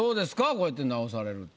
こうやって直されると。